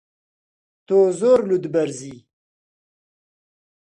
تۆ زۆر لووتبەرزی.